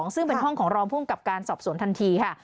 ซึ่งเป็นห้องของรองภูมิกับการสอบสวนทันทีค่ะ